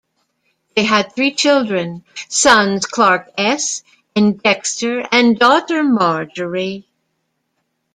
They had three children, sons Clark S. and Dexter, and daughter Marjorie.